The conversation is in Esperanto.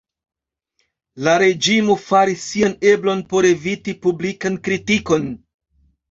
La reĝimo faris sian eblon por eviti publikan kritikon.